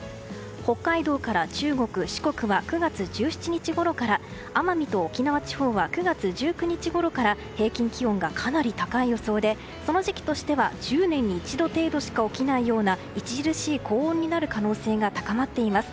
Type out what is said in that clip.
北海道から中国・四国は９月１７日ごろから奄美と沖縄地方は９月１９日ごろから平均気温がかなり高い予想でその時期としては１０年に一度程度しか起きないような著しい高温になる可能性が高まっています。